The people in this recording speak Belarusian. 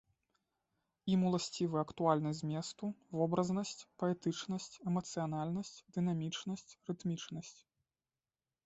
Ім уласцівы актуальнасць зместу, вобразнасць, паэтычнасць, эмацыянальнасць, дынамічнасць, рытмічнасць.